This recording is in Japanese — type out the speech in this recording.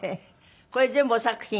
これ全部お作品？